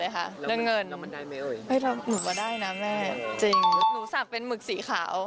หนูสักเป็นหมึกสีขาว